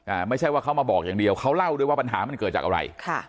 ไม่ใช่ว่าเขามาบอกอย่างเดียวเขาเล่าด้วยว่าปัญหามันเกิดจากอะไรค่ะ